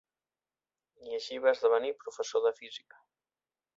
I així va esdevenir professor de física.